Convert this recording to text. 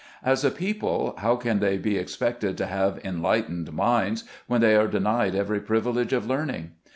As a people, how can they be expected to have enlightened minds, when they are denied every privilege of learning